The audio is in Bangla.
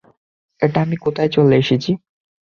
এটা আমি কোথায় চলে এসেছি?